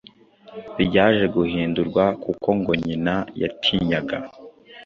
ryaje guhindurwa kuko ngo nyina yatinyaga